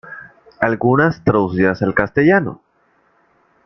Algunas traducidas al castellano.